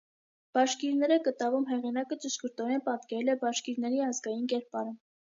«Բաշկիրները» կտավում հեղինակը ճշգրտորեն պատկերել է բաշկիրների ազգային կերպարը։